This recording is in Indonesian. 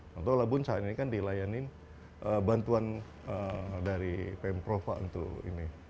pulau labun saat ini kan dilayani bantuan dari pemprov untuk ini